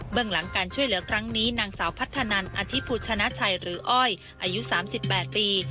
เรื่องหลังการช่วยเหลือครั้งนี้นางสาวพัฒนันอธิภูชนะชัยหรืออ้อยอายุ๓๘ปี